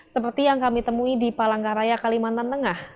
seperti yang kami temui di palangkaraya kalimantan tengah